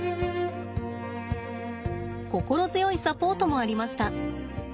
心強いサポートもありました。